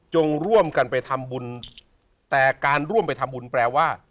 ร่วมกันไปทำบุญแต่การร่วมไปทำบุญแปลว่า